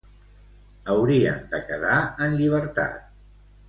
Haurien de quedar en llibertat.